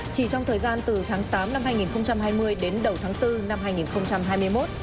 chỉ trong thời gian từ tháng tám năm hai nghìn hai mươi đến đầu tháng bốn năm hai nghìn hai mươi một